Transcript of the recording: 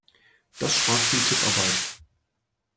Das spart viel Tipparbeit.